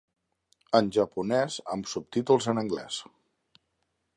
És en japonès amb subtítols en anglès.